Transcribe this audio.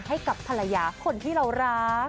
ให้กับภรรยาคนที่เรารัก